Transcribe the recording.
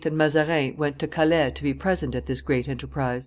and Mazarin went to Calais to be present at this great enterprise.